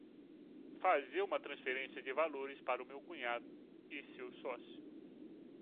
Fazer uma transferência de valores para meu cunhado e seu sócio